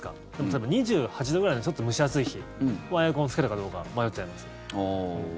例えば、２８度ぐらいのちょっと蒸し暑い日はエアコンをつけるかどうか迷っちゃいます。